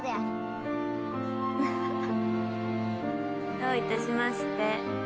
どういたしまして。